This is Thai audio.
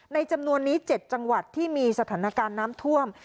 จำนวนนี้๗จังหวัดที่มีสถานการณ์น้ำท่วม